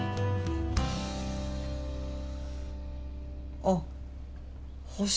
あっ星。